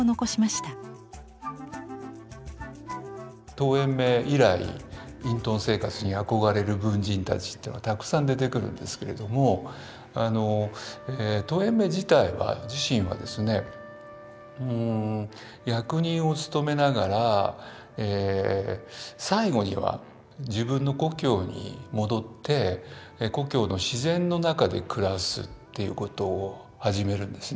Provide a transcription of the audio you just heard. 陶淵明以来隠遁生活に憧れる文人たちというのがたくさん出てくるんですけれども陶淵明自体は自身はですね役人を務めながら最後には自分の故郷に戻って故郷の自然の中で暮らすということを始めるんですね。